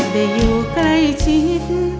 แต่อยู่ใกล้ชิ้น